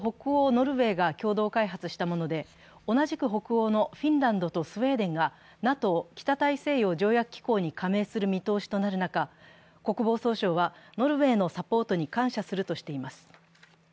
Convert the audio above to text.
ノルウェーが共同開発したもので、同じく北欧のフィンランドとスウェーデンがＮＡＴＯ＝北大西洋条約機構に加盟する見通しとなる中、国防総省はノルウェーのサポートに感謝するとしています。